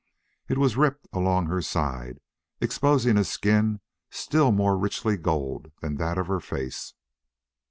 It was ripped along her side, exposing a skin still more richly gold than that of her face.